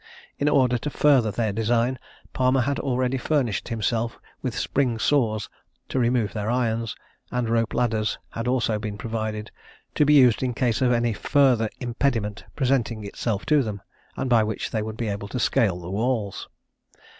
In order to further their design, Palmer had already furnished himself with spring saws, to remove their irons; and rope ladders had also been provided, to be used in case of any further impediment presenting itself to them, and by which they would be able to scale the walls.